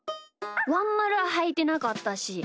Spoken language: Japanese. ワンまるははいてなかったし。